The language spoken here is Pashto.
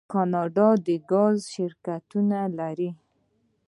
کاناډا د ګاز شرکتونه لري.